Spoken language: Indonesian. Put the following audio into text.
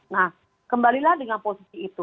nah kembalilah dengan posisi itu